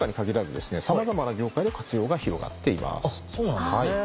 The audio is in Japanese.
そうなんですね。